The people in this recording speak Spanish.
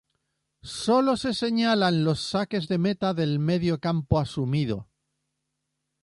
Solo se señalan los saques de meta del medio campo asumido.